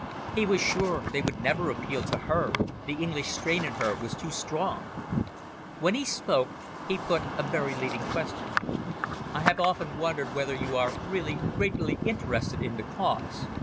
He was sure they would never appeal to her, the English strain in her was too strong. When he spoke, he put a very leading question. "I have often wondered whether you are really greatly interested in the Cause?